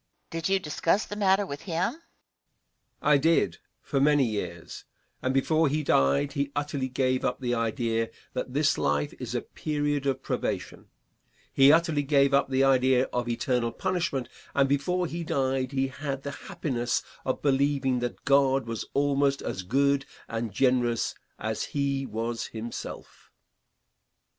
Question. Did you discuss the matter with him? Answer. I did for many years, and before he died he utterly gave up the idea that this life is a period of probation. He utterly gave up the idea of eternal punishment, and before he died he had the happiness of believing that God was almost as good and generous as he was himself.